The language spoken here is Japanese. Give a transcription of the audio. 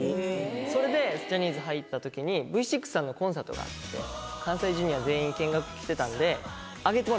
それでジャニーズ入ったときにＶ６さんのコンサートがあって関西Ｊｒ．全員見学来てたんで。